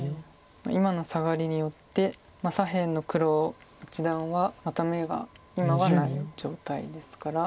今のサガリによって左辺の黒一団はまた眼が今はない状態ですから。